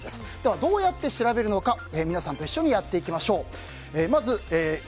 どうやって調べるのか皆さんと一緒にやっていきましょう。